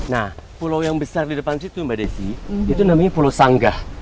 nah pulau yang besar di depan situ mbak desi itu namanya pulau sanggah